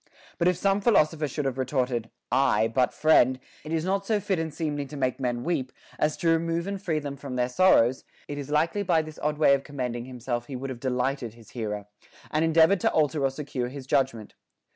But if some philosopher should have retorted, Aye ; but, friend, it is not so fit and seemly to make men weep, as to remove and free them from their sorrows, it is likely by this odd way of commending himself he would have delighted his hearer, and endeavored to alter or secure his judgment.